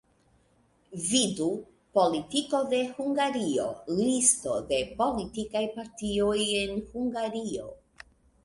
Vidu: Politiko de Hungario, Listo de politikaj partioj en Hungario.